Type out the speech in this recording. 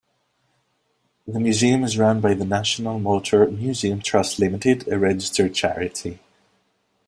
The museum is run by the National Motor Museum Trust Limited, a registered charity.